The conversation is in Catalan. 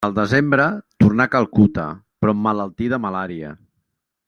El desembre tornà a Calcuta però emmalaltí de malària.